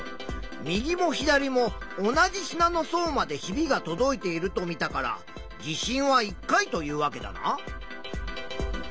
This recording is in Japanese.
右も左も同じ砂の層までひびがとどいていると見たから地震は１回というわけだな。